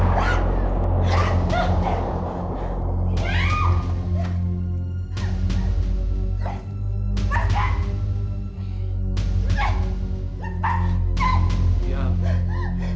kau sudah melihat alangkah jahat dan pengisnya mereka